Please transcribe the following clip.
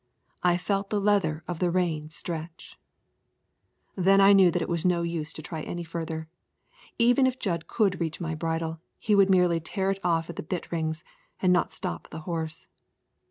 I felt the leather of the rein stretch. Then I knew that it was no use to try any further. Even if Jud could reach my bridle, he would merely tear it off at the bit rings, and not stop the horse.